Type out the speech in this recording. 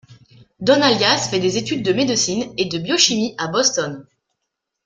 Don Allias fait des études de médecine et de biochimie à Boston.